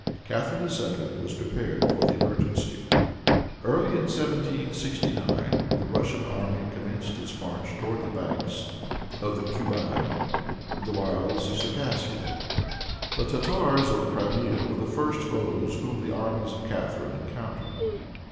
Catharine II. was prepared for the emergency. Early in 1769 the Russian army commenced its march towards the banks of the Cuban, in the wilds of Circassia. The Tartars of the Crimea were the first foes whom the armies of Catharine encountered.